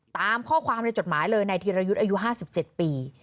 ตามข้อความในจดหมายเลยในธีรยุทธ์อายุ๕๗ปี